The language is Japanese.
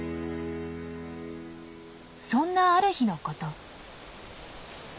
そんなある日のこと。